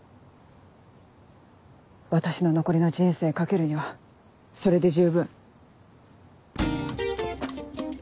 私の残りの人生懸けるにはそれで十分。